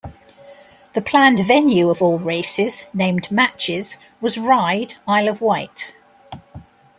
The planned venue of all races, named "matches", was Ryde, Isle of Wight.